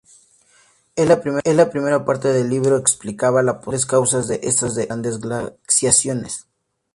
En la primera parte del libro explicaba las posibles causas de esas grandes glaciaciones.